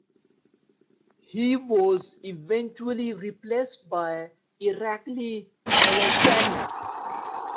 He was eventually replaced by Irakli Alasania.